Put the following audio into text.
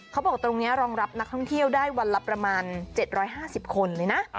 เขาบอกตรงนี้รองรับนักท่องเที่ยวได้วันละประมาณ๗๕๐คนเลยนะ